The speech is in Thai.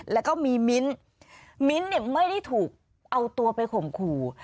แล้วก็มีมิ้นมิ้นท์เนี่ยไม่ได้ถูกเอาตัวไปข่มขู่